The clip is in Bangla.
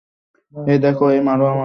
এই দেখো, এই মারো আমাকে।